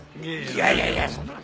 いやいやいやそんな事。